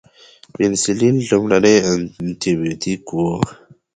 پنسلین لومړنی انټي بیوټیک و